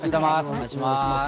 お願いします。